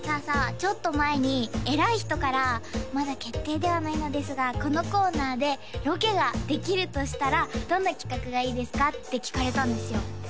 ちょっと前に偉い人からまだ決定ではないのですが「このコーナーでロケができるとしたらどんな企画がいいですか？」って聞かれたんですよ